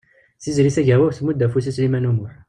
Tiziri Tagawawt tmudd afus i Sliman U Muḥ.